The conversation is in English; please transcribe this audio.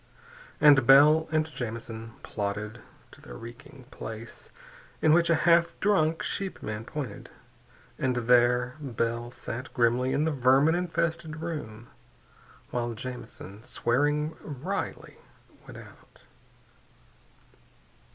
And Bell and Jamison plodded to the reeking place in which a half drunk sheepman pointed, and there Bell sat grimly in the vermin infested room while Jamison, swearing wryly, went out.